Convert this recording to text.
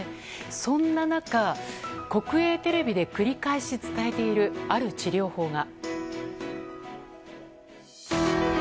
そんな中、国営テレビで繰り返し伝えているある治療法が。